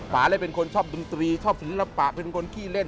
ป่าเลยเป็นคนชอบดนตรีชอบศิลปะเป็นคนขี้เล่น